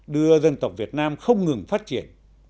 đưa dân tộc việt nam không ngừng phát triển